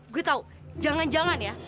gue tau jangan jangan ya